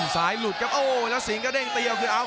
สายหลุดครับโอ้โหแล้วซิงค์ก็เด้งเตียวคือเอา